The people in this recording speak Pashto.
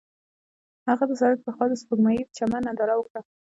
هغوی د سړک پر غاړه د سپوږمیز چمن ننداره وکړه.